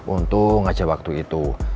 untung aja waktu itu